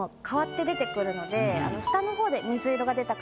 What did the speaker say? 下の方で。